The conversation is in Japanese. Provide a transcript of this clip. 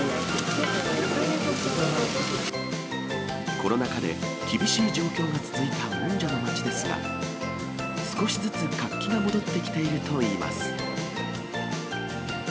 コロナ禍で厳しい状況が続いたもんじゃの街ですが、少しずつ活気が戻ってきているといいます。